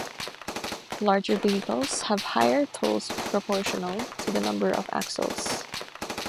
Larger vehicles have higher tolls proportional to the number of axles.